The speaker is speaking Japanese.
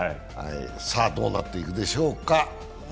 さぁ、どうなっていくでしょうか。